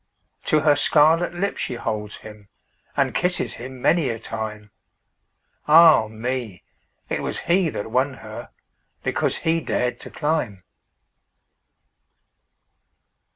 To her scarlet lip she holds him, And kisses him many a time—Ah, me! it was he that won herBecause he dared to climb!